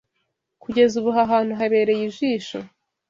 Kugeza ubu aha hantu habereye ijisho